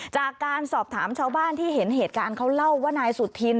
จากการสอบถามชาวบ้านที่เห็นเหตุการณ์เขาเล่าว่านายสุธิน